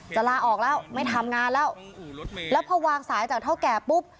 ลาออกแล้วไม่ทำงานแล้วแล้วพอวางสายจากเท่าแก่ปุ๊บ